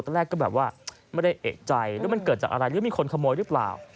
ตอนแรกก็แบบว่าไม่ได้เอกใจหรือมันเกิดจากอะไรหรือมีคนขโมยหรือเปล่า